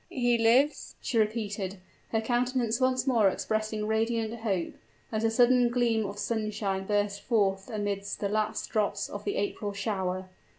"He lives!" she repeated, her countenance once more expressing radiant hope, as the sudden gleam of sunshine bursts forth amidst the last drops of the April shower.